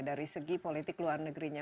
dari segi politik luar negerinya